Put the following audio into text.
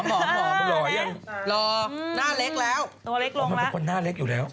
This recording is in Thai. ตัวเล็กลงแล้วมันเป็นคนหน้าเล็กอยู่แล้ว